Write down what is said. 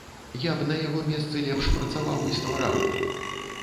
Я б на яго месцы лепш працаваў і ствараў.